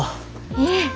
いえ。